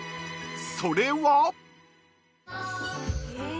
［それは］